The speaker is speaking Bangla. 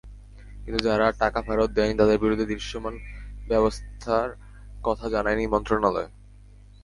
কিন্তু যারা টাকা ফেরত দেয়নি, তাদের বিরুদ্ধে দৃশ্যমান ব্যবস্থার কথা জানায়নি মন্ত্রণালয়।